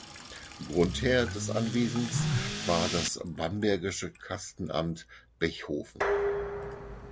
Grundherr des Anwesens war das bambergische Kastenamt Bechhofen.